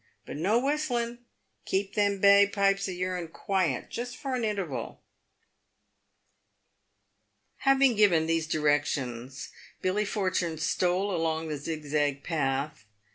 But, no whistlin*. Keep them bag pipes o' your'n quiet, just for an interval." Having given these directions, Billy Fortune stole along the zig zag path.